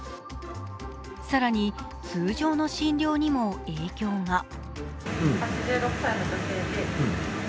更に、通常の診療にも影響が。